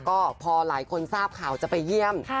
ก็พอหลายคนทราบข่าวจะไปเยี่ยม